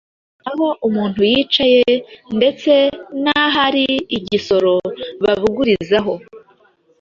aho umuntu yicaye ndetse n’ahari igisoro babugurizagaho.